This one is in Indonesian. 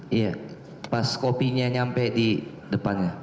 bila kopinya sampai di depannya